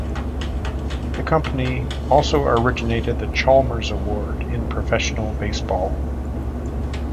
The company also originated the "Chalmers Award" in professional baseball.